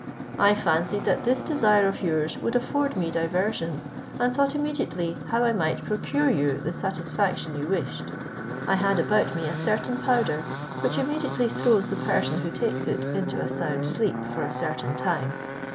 I fancied that this desire of yours would afford me diversion, and thought immediately how I might procure you the satisfaction you wished. I had about me a certain powder, which immediately throws the person who takes it into a sound sleep for a certain time.